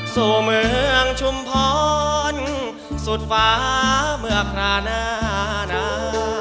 สู่เมืองชุมพรสุดฟ้าเมื่อคราหน้านา